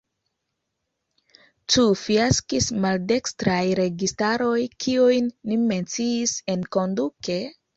Ĉu fiaskis maldekstraj registaroj, kiujn ni menciis enkonduke?